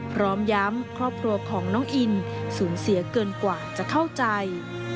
พร้อมย้ำครอบครัวของน้องอินสูญเสียเกินกว่าจะเข้าใจ